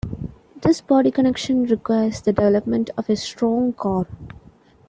This body connection requires the development of a strong core.